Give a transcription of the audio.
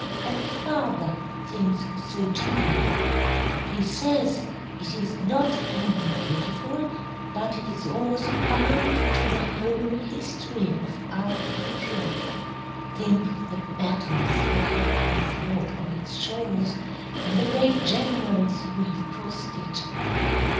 And father thinks so, too. He says it is not only beautiful, but it is also bound into the whole history of our country. Think of the battles that have been fought on its shores, and the great generals who have crossed it!"